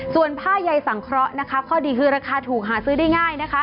ส่วนผ้าใยสังเคราะห์ข้อดีคือราคาถูกหาซื้อได้ง่ายนะคะ